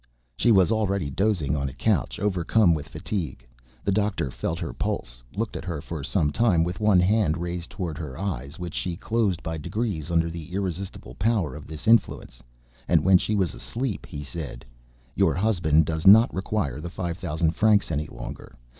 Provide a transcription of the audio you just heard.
She was already dozing on a couch, overcome with fatigue. The doctor felt her pulse, looked at her for some time with one hand raised toward her eyes which she closed by degrees under the irresistible power of this influence, and when she was asleep, he said: "Your husband does not require the five thousand francs any longer!